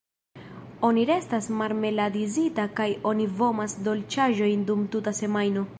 Oni restas marmeladizita kaj oni vomas dolĉaĵojn dum tuta semajno.